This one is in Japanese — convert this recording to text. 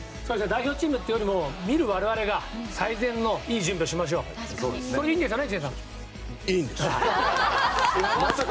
代表チームというよりも見る我々が最善の準備をしましょう。いいんです！